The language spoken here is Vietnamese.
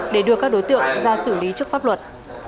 để đưa các đối tượng ra xử lý trước pháp luật